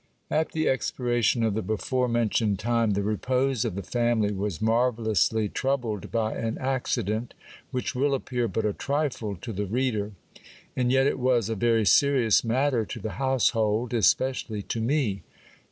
At the expiration of the before mentioned time, the repose of the family was marvellously troubled by an accident, which will appear but a trifle to the reader; and yet it was a very serious matter to the household, especially to me.